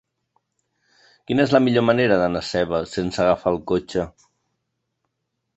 Quina és la millor manera d'anar a Seva sense agafar el cotxe?